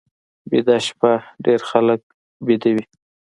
ویده شپه ډېر خلک ویده وي